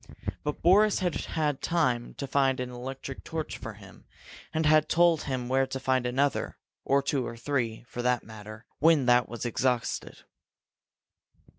But Boris had had time to find an electric torch for him, and had told him where to find another or two or three, for that matter when that was exhausted.